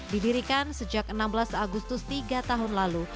didirikan sejak enam belas agustus tiga tahun lalu